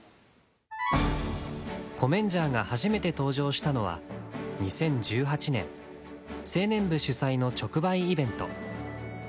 コメンジャーが初めて登場したのは２０１８年青年部主催の直売イベント。